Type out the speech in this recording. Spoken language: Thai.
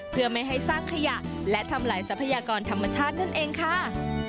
เพื่อไม่ให้สร้างขยะและทำลายทรัพยากรธรรมชาตินั่นเองค่ะ